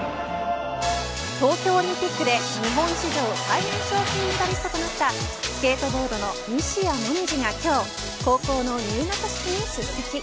東京オリンピックで日本史上最年少金メダリストとなったスケートボードの西矢椛が今日高校の入学式に出席。